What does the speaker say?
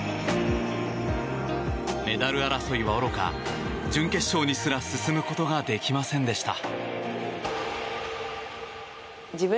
メダル争いはおろか準決勝にすら進むことができませんでした。